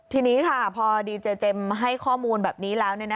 ทีนี้ค่ะพอดีเจเจมส์ให้ข้อมูลแบบนี้แล้ว